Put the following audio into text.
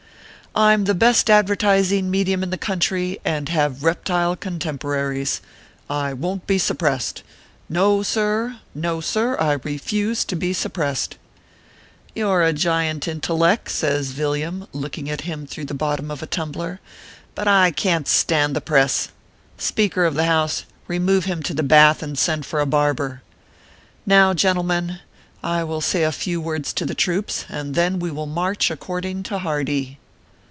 I m the best advertising medium in the country, and have reptile cotemporaries. I won t be suppressed. No, sir ! no, sir ! I refuse to be suppressed/ " You re a giant intellek," says Villiam, looking at him through the bottom of a tumbler; "but I can t stand the press. Speaker of the House, remove him to the bath and send for a barber. Now, gentle men, I will say a few words to the troops, and then we will march according to Hardee."